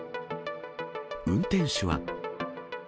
運転手は。